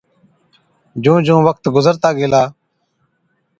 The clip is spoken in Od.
جُون جُون وقت گُذرتا گيلا،